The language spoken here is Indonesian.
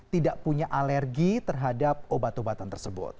tidak punya alergi terhadap obat obatan tersebut